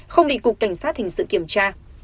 không bị cục cảnh sát hình sự kiểm tra